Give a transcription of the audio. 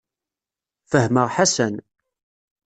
Fehmeɣ Ḥasan.